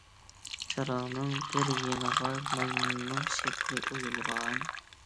چىراغنىڭ بىر يېنىغا مايمۇننىڭ شەكلى ئويۇلغان.